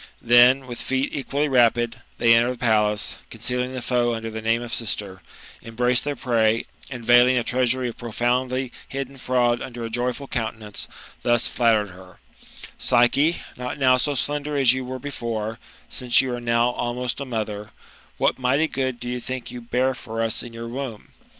Then, with feet equally rapid, they enter the palace, concealing the foe under the name of sister, embrace their prey, and veiling a treasury of profoundly hidden fraud under a joyful countenance, thus flattered her: '' Psyche, not now so slender as you were before, since you are now almost a mother, what mighty good do you think you bear for us in your womb